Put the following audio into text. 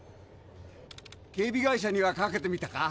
警備会社にはかけてみたか？